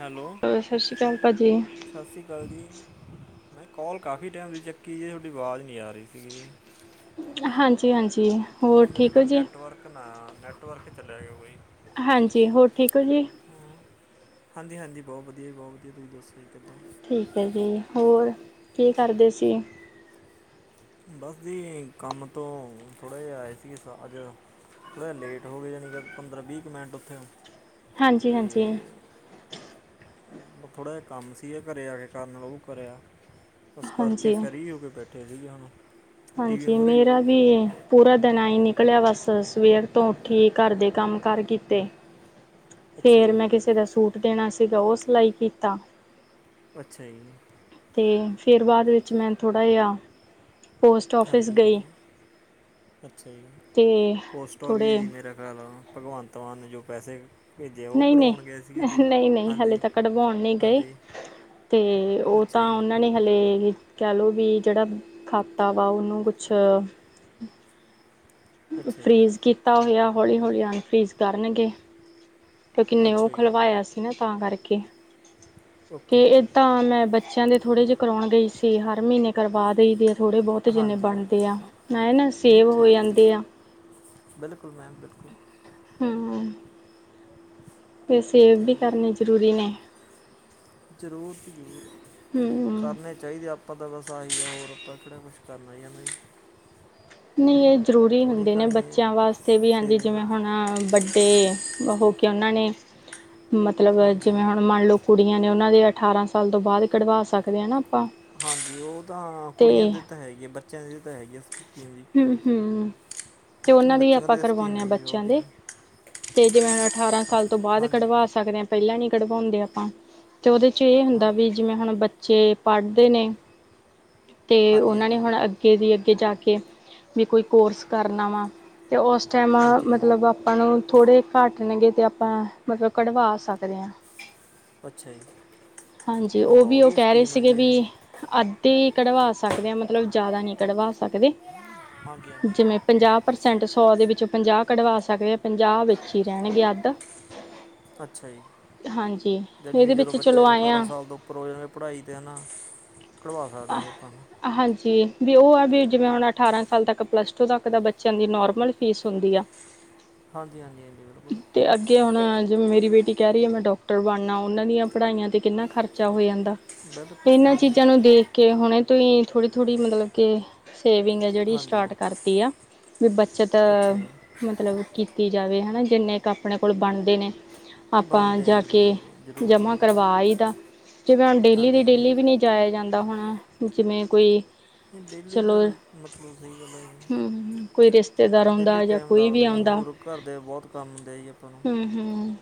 Hello ਸਤਿ ਸ਼੍ਰੀ ਅਕਾਲ ਭਾਜੀ ਸਤਿ ਸ਼੍ਰੀ ਅਕਾਲ ਜੀ ਮੈਂ ਕੋਲ ਕਾਫੀ ਟਾਈਮ ਦੀ ਚੱਕੀ ਜੇ ਤੁਹਾਡੀ ਆਵਾਜ਼ ਨਹੀਂ ਆ ਰਹੀ ਸੀਗੀ ਜੀ। ਹਾਂਜੀ ਹਾਂਜੀ ਹੋਰ ਔ ਮੇਰੇ ਠੀਕ ਹੋ ਖ਼ਯਾਲ ਜੀ ਨੈੱਟਵਰਕ ਨਾ ਨੈੱਟਵਰਕ ਚੱਲਿਆ ਗਯਾ ਬਈ ਹਾਂਜੀ ਹੋਰ ਠੀਕ ਹੋ ਜੀ ਹ ਹਾਂਜੀ ਹਾਂਜੀ ਬਹੁਤ ਵਧੀਆ ਜੀ ਬਹੁਤ ਵਧੀਆ ਤੁਸੀਂ ਦੋੱਸ ਲਈ ਕਿੱਦਾਂ ਠੀਕ ਹੈ ਜੀ ਹੋਰ ਕੀ ਕਰਦੇ ਸੀ ਬਸ ਜੀ ਕੰਮ ਤੋਂ ਥੋੜ੍ਹਾ ਜਿਹਾ ਆਏ ਸੀਗੇ ਅੱਜ ਥੋੜ੍ਹਾ ਲੇਟ ਹੋਏ ਜਾਣੀ ਗ ਪੰਦਰਾਂ ਵੀਹ ਕੁ ਮਿੰਟ ਉੱਥੇ ਹੋ ਹਾਂਜੀ ਤੇ ਹਾਂਜੀ ਥੋੜ੍ਹਾ ਜਿਹਾ ਕੰਮ ਸੀ ਇਹ ਘਰੇ ਆ ਕੇ ਕਰਨ ਉਹ ਕਰਿਆ ਬਸ ਕਰਕੇ ਹਾਂਜੀ ਫ੍ਰੀ ਹੋ ਕੇ ਬੈਠੇ ਸੀਗੇ ਹੁਣ ਟੀ ਵੀ ਹਾਂਜੀ ਮੂਹਰੇ ਮੇਰਾ ਵੀ ਪੂਰਾ ਦਿਨ ਐਹੀ ਨਿਕਲਿਆ ਬਸ ਸਵੇਰ ਤੋਂ ਉੱਠੀ ਘਰ ਦੇ ਕੰਮ ਕਾਰ ਕੀਤੇ ਅੱਛਾ ਫੇਰ ਜੀ ਮੈਂ ਕਿਸੇ ਦਾ ਸੂਟ ਦੇਣਾ ਸੀਗਾ ਉਹ ਸਿਲਾਈ ਕੀਤਾ ਅੱਛਾ ਜੀ ਤੇ ਫਿਰ ਬਾਅਦ ਵਿੱਚ ਮੈਂ ਥੋੜ੍ਹਾ ਜਿਹਾ ਪੋਸਟ ਆਫਿਸ ਹਾਂਜੀ ਗਈ ਹਾਂਜੀ ਅੱਛਾ ਜੀ ਤੇ ਪੋਸਟਾਂ ਵੀ ਥੋੜ੍ਹੇ ਜੀ ਮੇਰਾ ਕਹਿ ਲ ਭਗਵੰਤ ਮਾਨ ਨੇ ਜੋ ਪੈਸੇ ਭੇਜੇ ਉਹ ਨਹੀਂ ਨਹੀਂ ਕਢਵਾਉਣ ਗਏ ਸੀ ਤੁਸੀਂ ਨਹੀਂ ਨਹੀਂ ਹਲੇੇ ਹਾਂਜੀ ਤ ਕਢਵਾਉਣ ਨਹੀਂ ਗਈ ਹਾਂਜੀ ਤੇ ਉਹ ਅੱਛਾ ਤਾਂ ਜੀ ਉਹਨਾਂ ਨੇ ਹਲੇ ਕਹਿ ਲਓ ਵੀ ਜਿਹੜਾ ਖਾਤਾ ਵਾ ਉਹਨੂੰ ਕੁਛ ਅੱਛਾ ਜੀ ਫਰੀਜ਼ ਕੀਤਾ ਹੋਇਆ ਹੌਲੀ ਹੌਲੀ ਅਨਫਰੀਜ਼ ਕਰਨਗੇ ਕਿ ਕਿੰਨੇ ਉਹ ਅੱਛਾ ਜੀ ਖਲਵਾਇਆ ਸੀ ਨਾ ਤਾਂ ਕਰਕੇ, ਓਕੇ ਤੇ ਇਹ ਓਕੇ ਤਾ ਮੈਂ ਬ ਬਚਿਆਂ ਦੇ ਥੋੜੇ ਜਿਹੇ ਕਰਵਾਉਣ ਗਈ ਸੀ, ਹਰ ਮਹੀਨੇਂ ਕਰਵਾ ਦੇਈ ਦੇ ਆ। ਥੋੜੇ ਬਹੁਤ ਜਿੰਨੇਂ ਹਾਂਜੀ ਬਣਦੇ ਆ, ਹਾਂ, ਨਾ ਇਹ ਨਾ ਨਹੀਂ ਸੇਵ ਹੋ ਠੀਕ ਜਾਂ ਹੈ ਜੀ ਬਿਲਕੁਲ ਮੈਮ ਬਿਲਕੁਲ‌ ਹੂ ਫੇ ਸੇਵ ਤੇ ਵੀ ਕਰਨੇ ਜ਼ਰੂਰੀ ਨੇ। ਜ਼ਰੂਰ ਜੀ ਜ਼ਰੂਰ। ਹੂੰ ਕਰਨੇ ਚਾਹੀਦੇ ਆ, ਆਪਾਂ ਤਾਂ ਬਸ ਆਹੀ ਹੋਰ ਆਪਾਂ ਕਿਹੜਾ ਕੁਛ ਕਰਨਾ ਜਾਂ ਨਹੀਂ ਜ ਨਈ ਇਹ ਜ਼ਰੂਰੀ ਹੁੰਦੇ ਨੇ, ਘਣੀ ਬੱਚਿਆਂ ਵਾਸਤੇ ਵੀ, ਹਾਂਜੀ ਜਿਵੇਂ ਸੇਵਿੰਗ ਹੁਣ ਹਾ, ਵੱਡੇ ਹੋ ਕੇ ਉਹਨਾਂ ਨੇ ਮਤਲਬ ਹਾਂਜੀ ਜਿਵੇਂ ਹੁਣ ਮੰਨ ਲਓ ਕੁੜੀਆਂ ਨੇ, ਉਹਨਾਂ ਦੇ ਅਠਾਰਾਂ ਸਾਲ ਤੋਂ ਬਾਅਦ ਕਢਵਾ ਸਕਦੇ ਆ ਨਾ ਆਪਾਂ। ਹਾਂਜੀ, ਉਹ ਤਾਂ ਤੇ ਕੁੜੀਆਂ ਦੇ ਤਾਂ ਹੈ ਈ ਐ, ਬੱਚਿਆਂ ਦੇ ਤਾਂ ਹੈ ਈ ਐ ਹੂ ਹੂ, ਤੇ ਉਹਨਾਂ ਦੀ ਬੱਚਿਆਂ ਆਪਾਂ ਦੇ ਸਕੀਮ ਕਰਵਾਉਂਦੇ ਆ, ਹੈਗੀ ਬਹੁਤ ਬੱਚਿਆਂ ਦੇ। ਵਧੀਆ ਤੇ ਹੁਣ ਜਿਵੇਂ ਅਠਾਰਾਂ ਸਾਲ ਤੋਂ ਬਾਅਦ ਹਾਂਜੀ ਕਢਵਾ ਸ ਕਦੇ ਆ, ਪਹਿਲਾਂ ਨੀ ਕਢਵਾਉਂਦੇ ਆਪਾਂ ਤੇ ਉਹਦੇ 'ਚ ਇਹ ਹਾਂ ਹੁੰਦਾ ਵੀ ਜਿਵੇਂ ਹੁਣ ਬੱਚੇ ਪੜ੍ਹਦੇ ਨੇ, ਤੇ ਹਾਂਜੀ ਉਹਨਾਂ ਨੇ ਹਾਂਜੀ ਹੁਣ ਅੱਗੇ ਦੀ ਅੱਗੇ ਜਾ ਕੇ ਵੀ ਕੋਈ ਕੋਰਸ ਕਰਨਾ ਵਾ, ਤੇ ਉਸ ਟਾਈਮ ਹਾਂਜੀ ਹਾਂਜੀ ਮਤਲਬ ਆਪ ਆਪਾਂ ਨੂੰ ਥੋੜੇ ਘੱਟ ਨੇ ਗੇ ਤੇ ਆਪਾਂ ਮਤਲਬ ਕਢਵਾ ਸਕਦੇ ਆ। ਅੱਛਾ ਜੀ ਇਹ ਹਾਂਜੀ, ਤਾਂ ਉਹ ਬਹੁਤ ਵੀ ਉਹ ਵਧੀਆ ਕਹਿ ਰਹੇ ਸਕੀਮ ਹੈ ਸੀਗੇ ਜੀ ਵੀ ਇਹ ਅੱਧੇ ਕਢਵਾ ਸਕਦੇ ਆ, ਮਤਲਬ ਜ਼ਿਆਦਾ ਨਹੀਂ ਕਢਵਾ ਸਕਦੇ। ਹਾਂਜੀ ਹਾਂਜੀ ਜਿਵੇਂ ਪੰਜਾਹ ਪ੍ਰਸੈਂਟ ਸੌ ਦੇ ਅੱਛ- ਵਿੱਚੋਂ ਪੰਜਾਹ ਕਢਵਾ ਸਕਦੇ ਹਾਂ, ਪੰਜਾਹ ਵਿੱਚ ਹੀ ਰਹਿਣਗੇ ਅੱਧ। ਅੱਛਾ ਜੀ। ਹਾਂਜੀ। ਜਨੀ ਆ ਇਹਦੇ ਜਦੋਂ ਵਿੱਚ ਬੱਚੇ ਚਲੋ ਨੇ ਆਏ ਅਠਾਰਾਂ ਆ ਸਾਲ ਤੋਂ ਉੱਪਰ ਹੋ ਜਾਂ ਨੇ ਪੜ੍ਹਾਈ 'ਤੇ ਹੈਨਾ ਕਢਵਾ ਸਕਦੇ ਆ ਜੀ, ਆਪਾਂ। ਹਾਂਜੀ, ਵੀ ਉਹ ਆ ਵੀ ਜਿਵੇਂ ਹੁਣ ਅਠਾਰਾਂ ਸਾਲ ਤੱਕ ਪਲੱਸ ਟੂ ਤੱਕ ਤਾਂ ਬੱਚਿਆਂ ਦੀ ਨੋਰਮਲ ਫੀਸ ਹੁੰਦੀ ਆ। ਹਾਂਜੀ, ਹਾਂਜੀ, ਹਾਂਜੀ, ਬਿਲਕੁਲ। ਅਤੇ ਅੱਗੇ ਹੁਣ ਜਿਵੇਂ ਮੇਰੀ ਬੇਟੀ ਕਹਿ ਰਹੀ ਆ। ਮੈਂ ਡੋਕਟਰ ਬਣਨਾ। ਉਹਨਾਂ ਦੀਆਂ ਪੜ੍ਹਾਈਆਂ 'ਤੇ ਕਿੰਨਾ ਖਰਚਾ ਹੋ ਜਾਂਦਾ। ਬਿਲਕੁਲ ਇਹਨਾਂ ਹਾਂਜੀ ਚੀਜ਼ਾਂ ਨੂੰ ਦੇਖ ਕੇ, ਹੁਣੇ ਤੋਂ ਹੀ ਥੋੜੀ ਥੋੜ੍ਹੀ ਮਤਲਬ ਕੇ ਸੇਵਿੰਗ ਹੈ ਜਿਹੜੀ ਹਾਂਜੀ ਸਟਾਰਟ ਕਰਤੀ ਆ, ਵੀ ਬੱਚਤ ਅੱਛਾ ਜੀ ਮਤਲਬ ਕੀਤੀ ਜਾਵੇ ਹਨਾ, ਜਿੰਨੇ ਕਾ ਆਪਣੇ ਕੋਲ ਬਣਦੇ ਨੇ। ਆਪਾਂ ਬਣਦੇ ਜਾ ਹਾਂਜੀ ਕੇ ਹਾਂਜੀ ਜ਼ਰੂਰ ਜੀ ਜਮ੍ਹਾਂ ਹਾਂਜੀ ਕਰਵਾ ਆਈ ਦਾ, ਜਿਵੇਂ ਹੁਣ ਡੇਲੀ ਹਾਂਜੀ ਦੀ ਡੇਲੀ ਵੀ ਨਹੀਂ ਨੀ ਜਾਇਆ ਜਾਂਦਾ, ਹੁਣ ਜਿਵੇਂ ਕੋਈ ਨਹੀਂ ਡੇਲੀ ਚਲੋ ਦਾ ਮਤਲਬ ਸਹੀ ਗੱਲ ਹੂੰ ਕੋਈ ਰਿਸ਼ਤੇਦਾਰ ਐ। ਡੇਲੀ ਆਉਂਦਾ ਜਾਂ ਟਾਈਮ ਕੋਈ ਵੀ ਲੱਗਦਾ ਨੀ, ਆਉਂਦਾ ਹੋਰ ਘਰ ਦੇ ਬਹੁਤ ਕੰਮ ਹੁੰਦੇ ਜੀ ਆਪਾਂ ਨੂੰ। ਹੂੰ,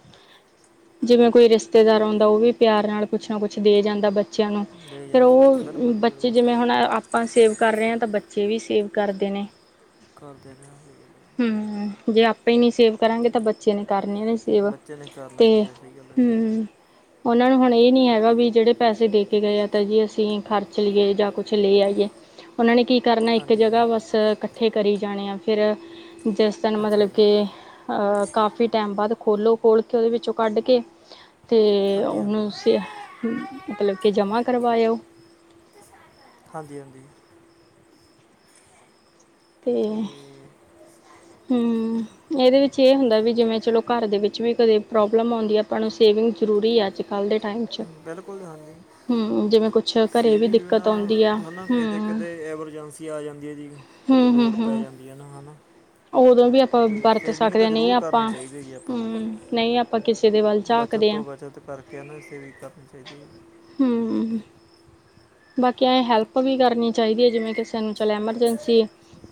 ਜਿਵੇਂ ਕੋਈ ਰਿਸ਼ਤੇਦਾਰ ਆਉਂਦਾ, ਉਹ ਵੀ ਪਿਆਰ ਨਾਲ ਕੁਛ ਨਾ ਕੁਛ ਦੇ ਜਾਂਦਾ ਬੱ ਚਿਆਂ ਨੂੰ, ਲੈ ਫਿਰ ਜਾਂਦਾ ਉਹ ਬਿਲਕੁਲ ਬਿਲਕੁਲ ਜੀ ਬੱਚੇ ਬਿਲਕੁਲ ਜਿਵੇਂ ਹੁਣ ਆਪਾਂ ਸੇਵ ਕਰ ਰਹੇ ਆ, ਤਾਂ ਬੱਚੇ ਵੀ ਸੇਵ ਕਰਦੇ ਨੇ। ਕਰਦੇ ਨੇ ਹੂੰ, ਜੇ ਆਪਾਂ ਹੀ ਨਈ ਸੇਵ ਕਰਾਂਗੇ ਤਾਂ ਬੱਚੇ ਨੇ ਕਰਨੇ ਸੇਵਾ ਬੱਚੇ ਨੇ ਕਰਨਾ ਤੇ, ਕੀ ਹੈ ਸਹੀ ਗੱਲ ਹੈ ਜੀ। ਹੂੰ ਉਹਨਾਂ ਨੂੰ ਹੁਣ ਇਹ ਨੀ ਹੈਗਾ ਵੀ ਜਿਹੜੇ ਪੈਸੇ ਦੇ ਕੇ ਗਏ ਆ‌। ਤਾਂ ਜੀ ਅਸੀਂ ਖਰਚ ਲਈਏ ਜਾਂ ਕੁਛ ਲੈ ਆਈਏ, ਉਹਨਾਂ ਨੇ ਕੀ ਕਰਨਾ ਇੱਕ ਹਾਂਜੀ ਹਾਂਜੀ ਜਗ੍ਹਾ ਬਸ ਬਸ ਇਕੱਠੇ ਕਰੀ ਜਾਣੇ ਆ, ਫਿਰ ਜਿਸ ਦਿਨ ਅੱਛਾ ਮਤਲਬ ਜੀ ਕਿ ਅ ਕਾਫ਼ੀ ਟਾਈਮ ਬਾਅਦ ਖੋਲ੍ਹੋ, ਖੋਲ ਕੇ ਉਹਦੇ ਵਿੱਚੋਂ ਕੱਢ ਕੇ ਤੇ ਹਾਂਜੀ ਹਾਂਜੀ ਹੁਣ ਸ ਮਤਲਬ ਕਿ ਜਮ੍ਹਾਂ ਕਰਵਾਏ ਉਹ। ਹਾਂਜੀ ਹਾਂਜੀ ਤੇ ਹੂੰ, ਇਹਦੇ ਵਿੱ 'ਚ ਇਹ ਹੁੰਦਾ ਵੀ ਜਿਵੇਂ ਚਲੋ ਘਰ ਦੇ ਵਿੱਚ ਵੀ ਕਦੇ ਪ੍ਰੋਬਲਮ ਆਉਂਦੀ ਹੈ। ਆਪਾਂ ਨੂੰ ਸੇਵਿੰਗ ਜ਼ਰੂਰੀ ਆ ਅੱਜ ਕੱਲ੍ਹ ਦੇ ਟਾਈਮ 'ਚ ਬਿਲਕੁਲ ਹਾਂਜੀ ਹੂੰ, ਜਿਵੇਂ ਕੁਛ ਘਰੇ ਵੀ ਸੇਵੀੰਗ ਦਿੱਕਤ ਆਉਂਦੀ ਬਿਨਾਂ ਆ, ਥਨਾ ਕਿਤੇ ਹੂੰ। ਦਿਕਤ ਐਮਰਜੈਂਸੀ ਕੀ ਆ ਜਾਂਦੀ ਹੈ ਜੀ ਕਤੇ ਲੋੜ ਪੈ ਹੂੰ-ਹੂੰ-ਹੂੰ, ਜਾਂਦੀ ਹੈ ਨਾ ਹੈ ਨਾ ਉਦੋਂ ਵੀ ਆਪਾਂ ਅਤੇ ਵਰਤ ਸੇਵਿੰਗ ਸਕਦੇ ਤਾਂ ਹਾਂ, ਨਹੀਂ ਜ਼ਰੂਰ ਕਰਨੀ ਆਪਾਂ ਚਾਹੀਦੀ ਜੀ ਆਪਾਂ ਨੂੰ ਹੂੰ, ਨਹੀਂ ਆਪਾਂ ਕਿਸੇ ਦੇ ਵੱਲ ਬੱਚਤ ਝਾਕਦੇ ਹਾਂ, ਤੋਂ ਬੱਚਤ ਕਰਕੇ ਹੈਨਾ ਸੇਵੀਗ ਕਰਨੀ ਚਾਹੀਦੀ ਹੈ ਹੂੰ ਬਾਕੀ ਐਂ ਹੈਲਪ ਵੀ ਕਰਨੀ ਚਾਹੀਦੀ ਹੈ ਜਿਵੇਂ ਕਿ ਸਾਨੂੰ ਚੱਲ ਐਮਰਜੈਂਸੀ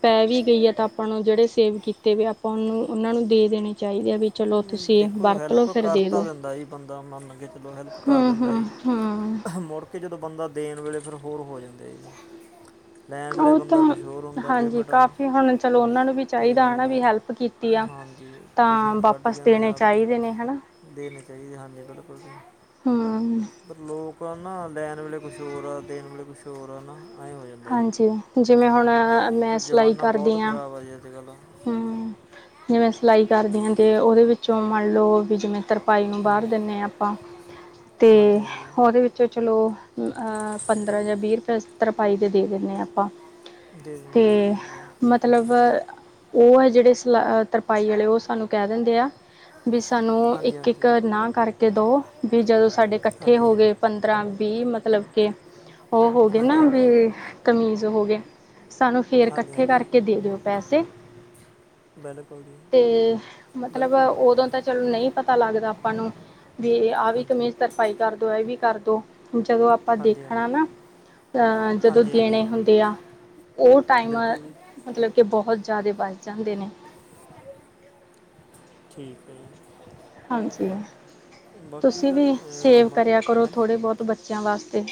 ਪੈ ਵੀ ਗਈ ਆ ਤਾਂ ਆਪਾਂ ਨੂੰ ਜਿਹੜੇ ਸੇਵ ਕੀਤੇ ਵ ਆਪਾਂ ਉਹਨੂੰ ਉਹਨਾਂ ਨੂੰ ਦੇ ਦੇਣੇ ਚਾਹੀਦੇ ਆ ਵੀ ਚਲੋ ਨਹੀਂ ਤੁਸੀਂ ਦੇਖੋ ਵਰਤ ਲੋ ਹੈਲਪ ਫਿਰ ਕਰ ਦੇ ਦੋ ਤਾਂ ਦਿੰਦਾ ਜੀ ਬੰਦਾ ਮੰਨ ਕੇ ਚਲੋ ਹੈਲਪ ਹੂ ਹੂ [unintelligible] ਕਿ ਜਦੋਂ ਬੰਦਾ ਦੇਣ ਵੇਲੇ ਫਿਰ ਹੋਰ ਹੋ ਜਾਂਦੇ ਲੈਣ ਵੇਲੇਾ ਉਹ ਬੰਦਾ ਕੁਛ ਹੋਰ ਤਾਂ ਹੋਦਾ ਹਾਂਜੀ ਪੇਮੈਂਟਾਂ ਕਾਫੀ ਹੁਣ ਚਲੋ ਉਹਨਾਂ ਨੂੰ ਵੀ ਤੇ ਚਾਹੀਦਾ ਹਨਾ ਵੀ ਹੈਲਪ ਕੀਤੀ ਆ। ਹਾਂਜੀ ਕਿਸੇ ਤਾਂ ਨੇ ਕੱਢ ਵਾਪਸ ਕੇ ਨਾ ਦੇਣੇ ਯ ਵੀ ਚਾਹੀਦੇ ਨੇ ਹਨਾ ਦੇਣੇ ਚਾਹੀਦੇ ਹਾਂਜੀ ਬਿਲਕੁਲ ਜ [unintelligible] ਪਰ ਲੋਕ ਆ ਨਾ ਲੈਣ ਵੇਲੇ ਕੁਛ ਹੋਰ ਆ ਦੇਣ ਵੇਲੇ ਕੁਛ ਹੋਰ ਆ ਨਾ ਐਂ ਹੋ ਹਾਂਜੀ ਜਿਵੇਂ ਹੁਣ ਮੈਂ ਕਿ ਸਿਲਾਈ ਜ਼ਮਾਨਾ ਕਰਦੀ ਬਹੁਤ ਹਾਂ ਖਰਾਬ ਆ ਜੀ ਅੱਜ ਕੱਲ੍ਹ ਹਮ ਜਿਵੇਂ ਸਿਲਾਈ ਕਰਦੀ ਹਾਂ ਤੇ ਉਹਦੇ ਵਿੱਚੋਂ ਮੰਨ ਲਓ ਵੀ ਜਿਵੇਂ ਤਰ ਪਾਈ ਨੂੰ ਹਾਂਜੀ ਬਾਹਰ ਦਿੰਦੇ ਹਾਂ ਆਪਾਂ ਤੇ ਹਾਂਜੀ ਹਾਂਜੀ ਉਹਦੇ ਵਿੱਚ ਤੇ ਚਲੋ ਅ ਪੰਦਰਾਂ ਜਾਂ ਵੀਹ ਰੁਪਏ ਤਰਪਾਈ ਦੇ ਦੇ ਦਿੰਦੇ ਹਾਂ ਆਪਾਂ ਦੇ ਦਿੰਦੇ ਤੇ ਹਾਂਜੀ ਹਾਂਜੀ ਮਤਲਬ ਉਹ ਹੈ ਜਿਹੜੇ ਸਲਾ ਤਰਪਾਈ ਵਾਲੇ ਉਹ ਸਾਨੂੰ ਕਹਿ ਦਿੰਦੇ ਆ ਵੀ ਸਾਨੂੰ ਹਾਂਜੀ ਇੱਕ ਹਾਂਜੀ ਇੱਕ ਨਾ ਕਰਕੇ ਦੋ ਵੀ ਜਦੋਂ ਸਾਡੇ ਇਕੱਠੇ ਹਾਂਜੀ ਹਾਂਜੀ ਹੋ ਗਏ ਪੰਦਰਾਂ ਵੀਹ ਮਤਲਬ ਕੇ ਉਹ ਹੋ ਗਏ ਨਾ ਵੀ ਹਾਂਜੀ ਕਮੀਜ਼ ਹੋ ਗਏ ਸਾਨੂੰ ਫਿਰ ਹਾਂਜੀ ਇਕੱਠੇ ਹਾਂਜੀ ਕਰਕੇ ਦੇ ਦਿਓ ਪੈਸੇ ਬਿਲਕੁਲ ਜੀ ਤੇ ਮਤਲਬ ਬਿਲਕੁਲ ਬਿਲਕੁਲ ਉਦੋਂ ਮੈਮ ਤਾਂ ਚਲੋ ਨਹੀਂ ਪਤਾ ਲੱਗਦਾ ਆਪਾਂ ਨੂੰ ਵੀ ਆਹ ਵੀ ਹਾਂਜੀ ਕਮੀਜ਼ ਤਰਪਾਈ ਕਰਦੋ ਇਹ ਵੀ ਕਰਦੋ ਜਦੋਂ ਆਪਾਂ ਹਾਂਜੀ ਹਾਂਜੀ ਦੇਖਣਾ ਨਾ ਅ ਜਦੋਂ ਹਾਂਜੀ ਦੇਣੇ ਹਾਂਜੀ ਹੁੰਦੇ ਆ ਉਹ ਟਾਈਮ ਬਿਲਕੁਲ ਜੀ ਮਤਲਬ ਕਿ ਬਹੁਤ ਜ਼ਿਆਦਾ ਬਨ ਜਾਂਦੇ ਨੇ ਠੀਕ ਹੈ ਜੀ ਹਾਂਜੀ ਬਾਕੀ ਤੁਸੀਂ ਤਾਂ ਵੀ ਅਹ, ਸੇਵ ਮਨ ਕਰਿਆ ਕਰੋ ਹਾਂਜੀ ਥੋੜ੍ਹੇ ਬਹੁਤ ਬੱਚਿਆਂ ਵਾਸਤੇ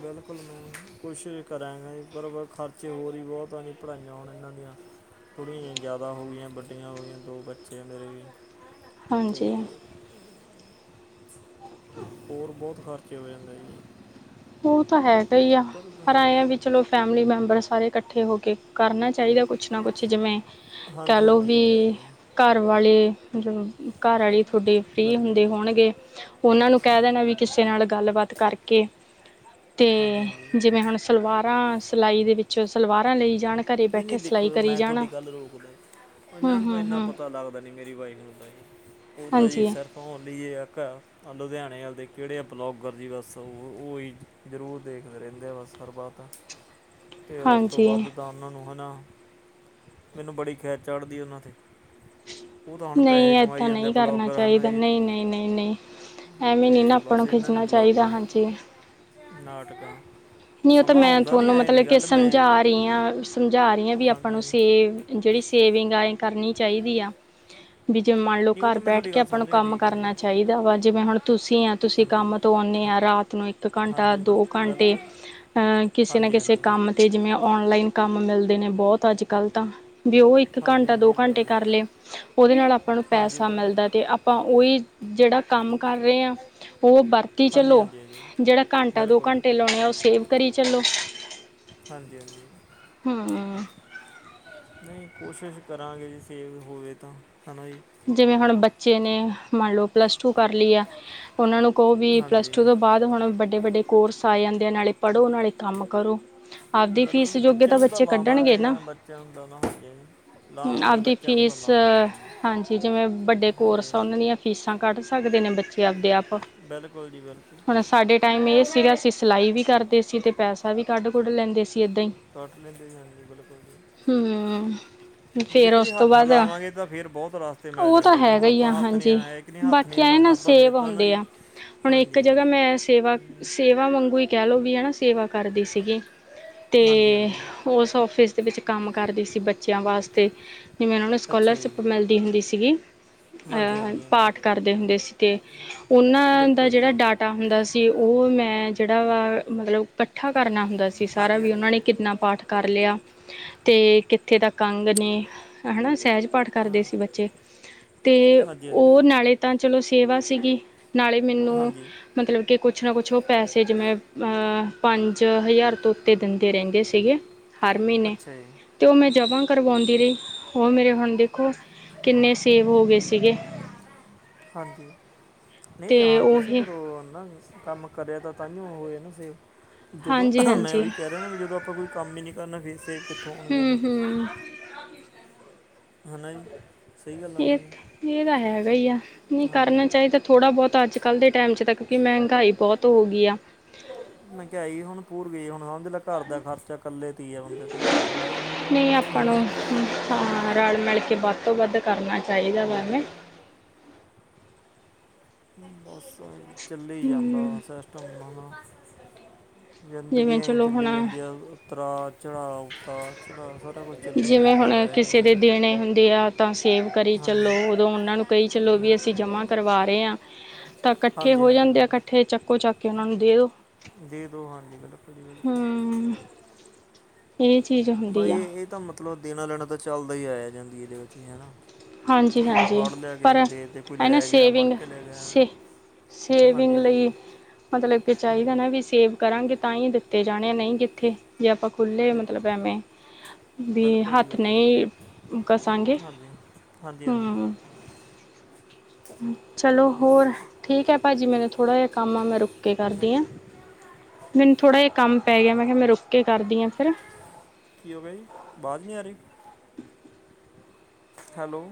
ਬਿਲਕੁਲ ਮੈਂ ਕੋਸ਼ਿਸ਼ ਕਰਾਂਗਾ ਬਰ ਖਰਚ ਤੇ ਔਰ ਹੀ ਬਹੁਤ ਆ ਨਹੀਂ ਪੜ੍ਹਾਈਆਂ ਹੋਣ ਇਹਨਾਂ ਦੀਆਂ ਥੋੜ੍ਹੀ ਜਹੀ ਜ਼ਿਆਦਾ ਹੋ ਗਈਆਂ ਵੱਡੀਆਂ ਹੋ ਗਈਆਂ ਦੋ ਬੱਚੇ ਆ ਮੇਰੇ ਤੇ ਹਾਂਜੀ ਹੋਰ ਬਹੁਤ ਖਰਚੇ ਹੋ ਜਾਂਦਾ ਜੀ ਉਹ ਤਾਂ ਹੈਗਾ ਹੀ ਆ ਪਰ ਆਏ ਆ ਵੀ ਚਲੋ ਫੈਮਿਲੀ ਮੈਂਬਰ ਸਾਰੇ ਇਕੱਠੇ ਹੋ ਕੇ ਕਰਨਾ ਚਾਹੀਦਾ ਕੁਛ ਨਾ ਕੁਛ ਜਿਵੇਂ ਕਹਿ ਹਾਂਜੀ ਲੋ ਹਾਂਜੀ ਇਹ ਵੀ ਤਾਂ ਹੈ ਜੀ ਘਰ ਵਾਲੇ ਜ ਘਰ ਆਲੀ ਤੁਹਾਡੀੇ ਹਾਂਜੀ ਫ੍ਰਰੀ ਬਿਲਕੁਲ ਹੁੰਦੀ ਜੀ ਹੋਣਗੇ ਉਹਨਾਂ ਨੂੰ ਕਹਿ ਦੇਣਾ ਵੀ ਕਿਸੇ ਨਾਲ ਗੱਲਬਾਤ ਕਰਕੇ ਤੇ ਹਾਂਜੀ ਹਾਂਜੀ ਜਿਵੇਂ ਹੁਣ ਸਲਵਾਰਾਂ ਸਿਲਾਈ ਦੇ ਵਿੱਚ ਕੁਛ ਸਲਵਾਰਾਂ ਲਈ ਜਾਣ ਘਰੇ ਨਹੀਂ ਨਹੀਂ ਬੈਠੇ ਸਿਲਾਈ ਦੇਖੋ ਕਰੀ ਮੈਂ ਜਾਣ ਤੁਹਾਡੀ ਗੱਲ ਰੋਕਦਾ ਜੀ। ਹੂੰ ਉਹਨਾਂ ਨੂੰ ਤਾਂ ਹੂੰ ਇੰਨਾ ਹੂੰ ਪਤਾ ਲੱਗਦਾ ਨੀ ਮੇਰੀ ਵਾਈਫ ਨੂੰ ਤਾਂ ਜੀ ਉਹ ਤਾਂ ਜੀ ਹਾਂਜੀ ਸਰ ਮੋਹਾਲੀ ਇਹ ਆ ਲੁਧਿਆਣੇ ਵਾਲ ਦੇ ਕਿਹੜੇ ਬਲੋਗਰ ਜੀ ਬਸ ਉਹ ਉਹੀ ਜ਼ਰੂਰ ਦੇਖਦੇ ਰਹਿੰਦੇ ਆ ਬਸ ਹਰ ਬਾਤ ਅਤੇ ਉਸ ਤੋਂ ਹਾਂਜੀ ਬਾਅਦ ਤਾਂ ਉਹਨਾਂ ਨੂੰ ਹੈ ਨਾ ਮੈਨੂੰ ਬੜੀ ਖਿੱਚ ਚੜ੍ਹਦੀ ਉਹਨਾਂ 'ਤੇ ਉਹ ਤਾਂ ਹੁਣ ਨਹੀਂ ਪੈਸੇ ਕਮਾਈ ਏਦਾਂ ਜਾਂਦੇ ਨਹੀਂ ਕਰਨਾ ਬਲੋਗਰ ਹੈਨਾ ਚਾਹੀਦਾ ਜੀ ਨਹੀਂ ਨਹੀਂ ਨਹੀਂ ਨਹੀਂ ਐਵੇਂ ਨਹੀਂ ਨਾ ਅਤੇ ਆਪਾਂ ਬਸ ਨੂੰ ਇਹਨਾਂ ਨੇ ਖਿੱਚਣਾ ਚਾਹੀਦਾ ਬਲੋਗਰ ਹਾਂਜੀ ਨਾਟਕਾਂ ਨਹੀਂ ਉਹ ਤਾਂ ਸਮਾਂ ਮੈਂ ਹੁੰਦਾ ਨਹੀਂ ਤੁਹਾਨੂੰ ਐ ਨਹੀਂ ਮਤਲਬ ਕੇ ਗੱਲ ਮੈਂ ਸਮਝਾ ਕ- ਰਹੀ ਹਾਂ ਸਮਝਾ ਰਹੀ ਹਾਂ ਵੀ ਆਪਾਂ ਹਾਂਜੀ ਨੂੰ ਹਾਂਜੀ ਸੇਵ ਜਿਹੜੀ ਸੇਵਿੰਗ ਆ ਇਹ ਕਰਨੀ ਚਾਹੀਦੀ ਆ ਵੀ ਜੇਂ ਮੰਨ ਲਓ ਨਹੀਂ ਉਹ ਘਰ ਤਾਂ ਮੈਂ ਬੈਠ ਤੁਹਾਡੀ ਕੇ ਗੱਲ ਆਪਾਂ ਸਮਝ ਨੂੰ ਗਿਆ ਕੰਮ ਠੀਕ ਆ ਜੀ ਕਰਨਾ ਚਾਹੀਦਾ ਵਾ ਜਿਵੇਂ ਹੁਣ ਤੁਸੀਂ ਆ ਤੁਸੀਂ ਹਾਂਜੀ ਕੰਮ ਤੋਂ ਆਉਂਦੇ ਹਾਂ ਆ ਰਾਤ ਨੂੰ ਇੱਕ ਘੰਟਾ ਹਾਂਜੀ ਹਾਂਜੀ ਦੋ ਘੰਟੇ ਬਿਲਕੁਲ ਅਹ ਕਿਸੇ ਨਾ ਹਾਂਜੀ ਕਿਸੇ ਹਾਂਜੀ ਕੰਮ ਤੇ ਜਿਵੇਂ ਔਨਲਾਈਨ ਕੰਮ ਮਿਲਦੇ ਨੇ, ਬਹੁਤ ਅੱਜ ਕੱਲ੍ਹ ਤਾਂ ਵੀ ਉਹ ਇੱਕ ਹਾਂਜੀ ਘੰਟਾ ਹਾਂਜੀ ਦੋ ਇਹ ਤਾਂ ਘੰਟੇ ਗੱਲ ਜੀ। ਕਰ ਲਏ ਉਹਦੇ ਨਾਲ ਆਪਾਂ ਨੂੰ ਹਾਂਜੀ ਉਹ ਪੈਸਾ ਤਾਂ ਮਿਲਦਾ ਤੇ ਆਪਾਂ ਉਹੀ ਜਿਹੜਾ ਕੰਮ ਕਰ ਰਹੇ ਹਾਂ ਉਹ ਵਰਤ ਕਿ ਹਾਂਜੀ ਚਲੋ ਹਾਂਜੀ ਹਾਂਜੀ ਜਿਹੜਾ ਘੰਟਾ ਦੋ ਬਿਲਕੁਲ ਜੀ ਘੰਟੇ ਲਾਉਣੇ ਸੇਵ ਕਰੀ ਚੱਲੋ, ਹਾਂਜੀ ਹਾਂਜੀ ਹੂੰ ਨਹੀਂ ਕੋਸ਼ਿਸ਼ ਕਰਾਂਗੇ ਜੀ,, ਸੇਵ ਹੋਵੇ ਤਾਂ ਹੈ ਨਾ ਜੀ ਜਿਵੇਂ ਹੁਣ ਬੱਚੇ ਨੇ ਮੰਨ ਲਓ ਪਲੱਸ ਟੂ ਕਰ ਲਈ ਹੈ ਉਹਨਾਂ ਨੂੰ ਕਹੋ ਵੀ ਪਲੱਸ ਹਾਂਜੀ ਟੂ ਤੋਂ ਬਾਅਦ ਹੁਣ ਵੱਡੇ ਵੱਡੇ ਕੋਰਸ ਆ ਜਾਂਦੇ ਆ ਨਾਲੇ ਪੜ੍ਹੋ ਨਾਲੇ ਕੰਮ ਕਰੋ ਆਪਦੀ ਬਿਲਕੁਲ ਫੀਸ ਜੀ, ਜੋਗੇ ਬੱਚਿਆਂ ਨੂੰ ਤਾਂ ਬੱਚੇ ਲਾਵਾਂਗੇ ਕੱਢਣਗੇ ਹੀ ਨਾ ਹੁਣ ਬੱਚਿਆਂ ਨੂੰ ਤਾਂ ਨਾ ਹੋਗੇ ਲਾਵਾਂਗੇ ਆਪਦੀ ਬੱਚਿਆਂ ਨੂੰ ਤਾਂ, ਫੀਸ ਲਾਵਾਂਗੇ ਜ ਹਾਂਜੀ ਜਿਵੇਂ ਵੱਡੇ ਕੋਰਸ ਆ ਉਹਨਾਂ ਦੀਆਂ ਫੀਸਾਂ ਕੱਢ ਸਕਦੇ ਨੇ ਬੱਚੇ ਆਪਦੇ ਆਪ ਬਿਲਕੁਲ ਜੀ, ਬਿਲਕੁਲ ਹੁਣ ਸਾਡੇ ਟਾਈਮ ਇਹ ਸੀਗਾ ਅਸੀਂ, ਸਿਲਾਈ ਵੀ ਕਰਦੇ ਸੀ ਅਤੇ ਪੈਸਾ ਵੀ ਕੱਢ ਕੁੱਢ ਲੈਂਦੇ ਸੀ ਇੱਦਾਂ ਹੀ ਕੱਢ ਲੈਦੇ ਸੀ ਹਾਂ ਜੀ ਬਿਲਕੁਲ ਜੀ ਹੂੰ ਵੀ ਫਿਰ ਦੇਖੋ ਜੀ ਉਸ ਤੋਂ ਹੱਥ ਬਾਅਦ ਹਿਲਾਵਾਂਗੇ ਤਾਂ ਫੇਰ ਬਹੁਤ ਰਸ ਉਹ ਤਾਂ ਹੈਗਾ ਹੀ ਆ ਹਾਂਜੀ, ਹੱਥ ਨਹੀਂ ਬਾਕੀ ਆਏ ਨਾ ਹਿਲਾਉਣਾ ਆਪਾਂ ਫਿਰ ਸੇਬ ਤਾਂ ਨਾ ਆਉਂਦੇ ਜੀ ਆ। ਹੁਣ ਇੱਕ ਹਾਂਜੀ ਜਗ੍ਹਾ ਹਾਂਜੀ ਮੈਂ ਸੇਵਾ ਹਮ, ਸੇਵਾ ਵਾਂਗੂ ਹੀ ਕਹਿ ਲਓ ਵੀ ਹਨਾ ਸੇਵਾ ਕਰਦੀ ਸੀਗੀ। ਤੇ ਹਾਂਜੀ ਹਾਂਜੀ ਉਸ ਆਫਿਸ ਦੇ ਵਿੱਚ ਕੰਮ ਕਰਦੀ ਸੀ ਬੱਚਿਆਂ ਵਾਸਤੇ ਜਿਵੇਂ ਉਹਨਾਂ ਨੂੰ ਅੱਛਾ ਜੀ ਸਕੋਲਰਸ਼ਿਪ ਮਿਲਦੀ ਹੁੰਦੀ ਸੀਗੀ ਹਾਂਜੀ ਅਹ ਹਾਂਜੀ ਹਾਂਜੀ ਪਾਠ ਕਰਦੇ ਹੁੰਦੇ ਸੀ ਤੇ ਉਹਨਾਂ ਦਾ ਬਿਲਕੁਲ ਜੀ ਜਿਹੜਾ ਡਾਟ ਹੁੰਦਾ ਸੀ, ਉਹ ਮੈਂ ਜਿਹੜਾ ਵਾ ਮਤਲਬ ਪੱ ਇਕੱਠਾ ਕਰਨਾ ਹੁੰਦਾ ਸੀ, ਸਾਰਾ ਹਾਂਜੀ ਵੀ ਹਾਂਜੀ ਉਹਨਾਂ ਨੇ ਕਿੰਨਾ ਪਾਠ ਕਰ ਲਿਆ। ਤੇ ਕਿੱਥੇ ਤਕ ਅੰਗ ਨੇ ਹਨਾ, ਸਹਿਜ ਪਾਠ ਕਰਦੇ ਹਾਂ ਸੀ। ਬੱਚੇ ਤੇ ਹਾਂਜੀ ਹਾਂਜੀ ਉਹ ਨਾਲੇ ਤਾਂ ਚਲੋ ਸੇਵਾ ਸੀਗੀ। ਨਾਲੇ ਮੈਨੂੰ ਹਾਂਜੀ ਮਤਲਬ ਕਿ ਕੁਛ ਨਾ ਕੁਛ ਉਹ ਪੈਸੇ ਜਿਵੇਂ ਪੰਜ ਹਜ਼ਾਰ ਤੋਂ ਤੇ ਦਿੰਦੇ ਰਹਿੰਦੇ ਸੀਗੇ ਹਰ ਮਹੀਨੇ ਅੱਛਾ ਜੀ ਅਤੇ ਉਹ ਮੈਂ ਜਮ੍ਹਾਂ ਕਰਵਾਉਂਦੀ ਰਹੀ। ਉਹ ਮੇਰੇ ਹੁਣ ਦੇਖੋ ਕਿੰਨੇ ਸੇਵ ਹੋ ਗਏ ਸੀਗੇ। ਹਾਂਜੀ ਨਹੀਂ ਤੇ ਹਾਂ ਤੁਸੀਂ ਉਹੀ ਫਿਰ ਉਹ ਨਾ ਕੰਮ ਕਰਿਆ ਤਾਂਹੀ ਹੋ ਗਏ ਨਾ ਸੇਫ ਜਦੋਂ ਹਾਂਜੀ ਮੈਂ ਹਾਂਜੀ ਉਹੀ ਕਹਿ ਰਹਿਣਾ ਵੀ ਜਦੋਂ ਆਪਾਂ ਕੋਈ ਕੰਮ ਹੀ ਨਹੀਂ ਕਰਨਾ ਫਿਰਸੇ ਹੂੰ ਹੂੰ ਹੈ ਨਾ ਜੀ ਸਹੀ ਗੱਲ ਆ ਨਾ ਇਹ ਜੀ। ਇਹ ਤਾਂ ਹੈਗਾ ਹੀ ਆ, ਨਹੀਂ ਕਰਨਾ ਚਾਹੀਦਾ ਥੋੜ੍ਹਾ ਬਹੁਤਾ ਅੱਜ ਕੱਲ੍ਹ ਦੇ ਟਾਈਮ 'ਚ ਤਾਂਕਿ ਮਹਿੰਗਾਈ ਬਹੁਤ ਹੋ ਗਈ ਆ ਮਹਿੰਗਾਈ ਹੁਣ ਪੂਰੀ ਹੋ ਗਈ ਹੁਣ ਉਹਦੇ ਘਰ ਦਾ ਖਰਚਾ ਇਕੱਲੇ ਦੀ ਹੈ ਬੰਦੀ ਨਹੀਂ ਆਪਾਂ ਨੂੰ, ਜੀ ਹਾਂ ਹੂੰ ਰਲ ਮਿਲ ਕੇ ਬਾਤ ਵੱਧ ਤੋਂ ਵੱਧ ਕਰਨਾ ਚਾਹੀਦਾ ਵਾ ਹੂੰ ਐਵੇਂ। ਬਸ ਚੱਲੀ ਜਾਂਦਾ ਹਮ ਸਿਸਟਮ ਹੁਣ। ਜ਼ਿੰਦਗੀ ਜਿਵੇਂ ਐ ਚਲੋ ਹੁਣ ਚੱਲ ਜਾਂਦੀਆਂ ਉਤਰਾ ਚੜਾਅ, ਉਤਰਾ ਚੜਾਅ ਸਾਰਾ ਕੁਛ ਜਿਵੇਂ ਹੁਣ ਕਿਸੇ ਦੇ ਦੇਣੇ ਹੁੰਦੇ ਆ, ਤਾਂ ਸੇਵ ਕਰੀ ਚੱਲੋ। ਹਾਂਜੀ ਜਦੋਂ ਉਹਨਾਂ ਨੂੰ ਕਹੀ ਚਲੋ ਵੀ ਅਸੀਂ ਜਮਾਂ ਕਰਵਾ ਰਹੇ ਹਾਂ ਤਾਂ ਇਕੱਠੇ ਹਾਂਜੀ ਹੋ ਹਾਂਜੀ ਜਾਂਦੇ ਆ ਇਕੱਠੇ ਬਿਲਕੁਲ ਚੱਕੋ ਚੱਕ ਕੇ ਉਹਨਾ ਨੂੰ ਦੇ ਦੋ ਦੇ ਦਵਾਂਗੇ ਹਾਂਜੀ ਬਿਲਕੁਲ ਜੀ ਬਿਲਕੁਲ ਹਮ ਇਹ ਚੀਜ਼ ਹੁੰਦੀ ਬਾਈ ਆ ਇਹ ਤਾਂ ਮਤਲਬ ਦੇਣਾ ਲੈਣਾ ਤਾਂ ਚੱਲਦਾ ਹੀ ਆਇਆ ਜਿੰਦਗੀ ਦੇ ਵਿੱਚ ਹੈਨਾ ਕਿ ਤੂੰ ਹਾਂਜੀ-ਹਾਂਜੀ ਫੜ ਲੈ ਕੇ ਪਰ ਇਹਨੂੰ ਦੇ ਦੇ ਕੋਈ ਹੈ ਨਾ ਲੈ ਗਿਆ ਫੜ ਸੇਵਿੰਗ ਕੇ ਲੈ ਗਿਆ ਸੇ ਸੇਵਿੰਗ ਹਾਂਜੀ ਹਾਂਜੀ ਲਈ ਮਤਲਬ ਕਿ ਚਾਹੀਦਾ ਹੂੰ ਨਾ ਵੀ ਸੇਵ ਕਰਾਂਗੇ ਤਾਂ ਹੀ ਦਿੱਤੇ ਜਾਣੇ ਆ ਨਹੀਂ ਕਿੱਥੇ ਜੇ ਆਪਾਂ ਖੁੱਲ੍ਹੇ ਦੇ- ਮਤਲਬ ਐਵੇਂ ਵੀ ਬਿਲਕੁਲ ਜੀ ਹੱਥ ਬਿਲਕੁਲ ਨਹੀਂ ਕਸਾਂਗੇ। ਹਾਂਜੀ ਹਾਂਜੀ ਹਾਂਜੀ ਹੂ, ਚਲੋ ਬਸ ਹੋਰ ਠੀਕ ਹੈ ਭਾਜੀ ਮੈਨੂੰ ਥੋੜ੍ਹਾ ਜਿਹਾ ਕੰਮ ਆ ਮੈਂ ਰੁਕ ਕੇ ਕਰਦੀ ਹਾਂ ਹਾਂਜੀ ਮੈਨੂੰ ਥੋੜ੍ਹਾ ਜਿਆ ਕੰਮ ਪੈ ਗਿਆ ਮੈਂ ਕਿਹਾ ਮੈਂ ਰੁ ਕੇ ਕਰਦੀ ਹਾਂ ਫਿਰ ਕੀ ਹੋ ਗਿਆ ਜੀ ਆਵਾਜ਼ ਨਹੀਂ ਆ ਰਹੀ ਹੈਲੋ